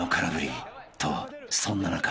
［とそんな中］